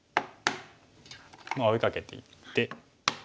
追いかけていって。